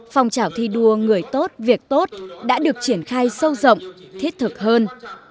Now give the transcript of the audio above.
phong trào thi đua người tốt việc tốt đã được triển khai sâu rộng thiết thực hơn